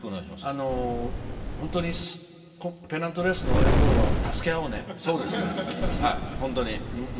本当にペナントレースの終わりころはそうですね、本当に。